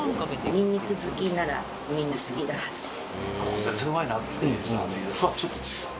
ニンニク好きならみんな好きなはずです。